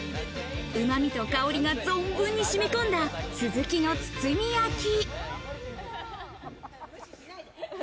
うま味と香りが存分にしみこんだスズキの包み焼き。